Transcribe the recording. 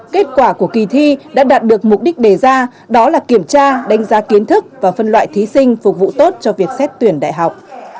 kết quả của kỳ thi đã đạt được mục đích đề ra đó là kiểm tra đánh giá kiến thức và phân loại thí sinh phục vụ tốt cho việc xét tuyển đại học